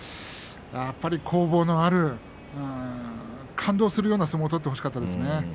やっぱり攻防のある感動するような相撲を取ってほしかったと思います。